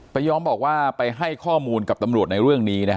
ยอมบอกว่าไปให้ข้อมูลกับตำรวจในเรื่องนี้นะฮะ